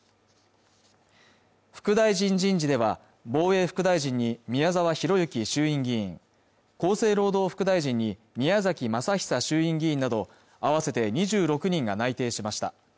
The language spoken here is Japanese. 副大臣人事では防衛副大臣に宮沢博行衆院議員厚生労働副大臣に宮崎政久衆院議員など合わせて２６人が内定しました